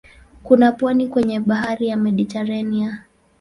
Kuna pwani kwenye bahari ya Mediteranea.